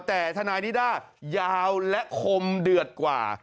แต่ทนายนิด้ายาวและคมเดือดกว่า